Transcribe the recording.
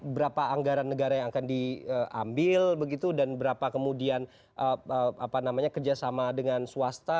berapa anggaran negara yang akan diambil begitu dan berapa kemudian kerjasama dengan swasta